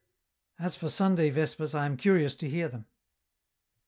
" As for Sunday Vespers, I am curious to hear them."